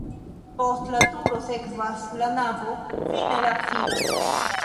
Post la turo sekvas la navo, fine la absido.